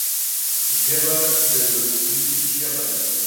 ژبه د زړه سوي ژبه ده